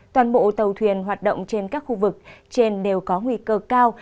toàn bộ tàu thuyền hoạt động trên các khu vực trên đều có nguy cơ cao